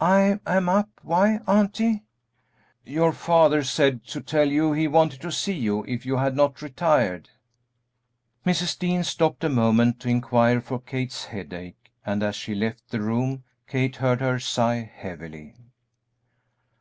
"I'm up; why, auntie?" "Your father said to tell you he wanted to see you, if you had not retired." Mrs. Dean stopped a moment to inquire for Kate's headache, and as she left the room Kate heard her sigh heavily.